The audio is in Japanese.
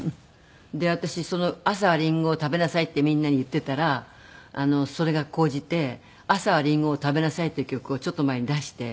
で私朝りんごを食べなさいってみんなに言っていたらそれが高じて『朝はりんごを食べなさい』という曲をちょっと前に出して。